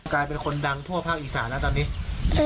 กลายเป็นคนดังทั่วภาคอีสานแล้วตอนนี้